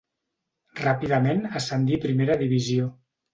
Ràpidament ascendí a Primera Divisió.